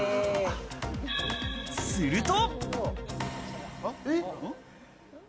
すると。